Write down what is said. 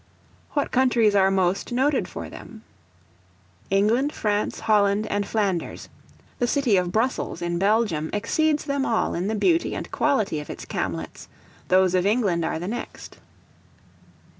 What countries are most noted for them? England, France, Holland, and Flanders; the city of Brussels, in Belgium, exceeds them all in the beauty and quality of its camlets; those of England are the next.